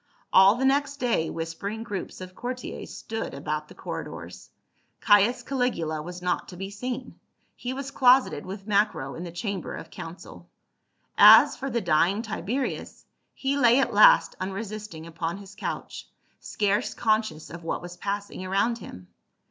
All the next day whispering groups of courtiers stood about the corridors. Caius Caligula was not to be seen, he was closeted with Macro in the chamber of council. As for the dying Tiberius, he lay at last unresisting upon his couch, scarce conscious of what was passing around him.